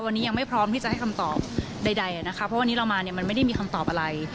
วันนี้ยังไม่พร้อมที่จะให้คำตอบใดนะคะเพราะวันนี้เรามาเนี่ยมันไม่ได้มีคำตอบอะไร